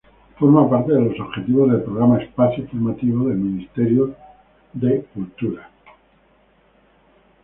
Forma parte de los objetivos del programa Espacio formativo del Ministerio de la Cultura.